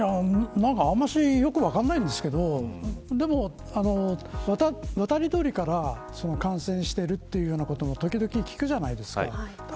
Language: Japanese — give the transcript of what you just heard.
あんまりよく分かんないんですけどでも、渡り鳥から感染しているということを時々聞くじゃないですか。